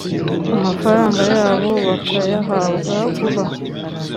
amafaranga yabo bakayahabwa vuba